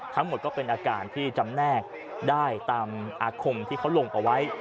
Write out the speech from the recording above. ก็เป็นอาการที่จำแนกได้ตามอาคมที่เขาลงเอาไว้